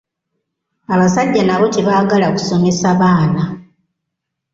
Abasajja n’abo tebaagala kusomesa baana.